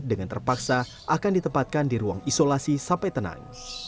dengan terpaksa akan ditempatkan di ruang isolasi sampai tenang